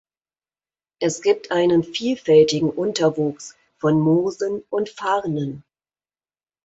Es gibt einen vielfältigen Unterwuchs von Moosen und Farnen.